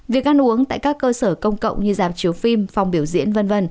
việc ăn uống tại các cơ sở công cộng như giảm chiếu phim phòng biểu diễn v v